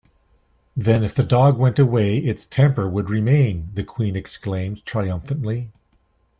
‘Then if the dog went away, its temper would remain!’ the Queen exclaimed triumphantly.